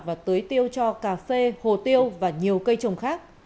và tưới tiêu cho cà phê hồ tiêu và nhiều cây trồng khác